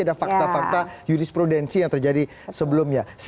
ada fakta fakta jurisprudensi yang terjadi sebelumnya